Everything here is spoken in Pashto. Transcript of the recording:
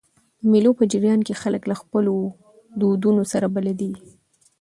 د مېلو په جریان کښي خلک له خپلو دودونو سره بلديږي.